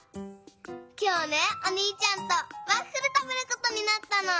きょうねおにいちゃんとワッフルたべることになったの。